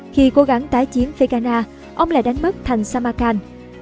khi cố gắng tái chiếm phegana ông lại đánh mất thành samarkand